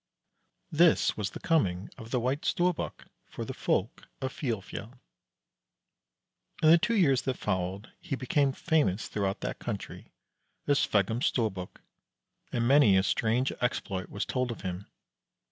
This was the coming of the White Storbuk for the folk of Filefjeld. In the two years that followed he became famous throughout that country as Sveggum's Storbuk, and many a strange exploit was told of him.